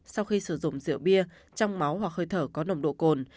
sau khi sử dụng rượu bia trong máu hoặc hơi thở có nồng độ cồn